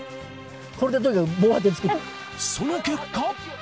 その結果。